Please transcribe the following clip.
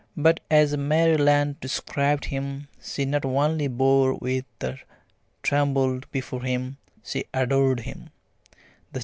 But as Mary Lant described him, she not only bore with and trembled before him she adored him.